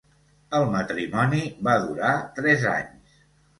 El matrimoni va durar tres anys.